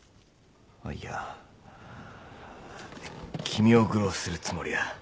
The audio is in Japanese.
あっいや君を愚弄するつもりは。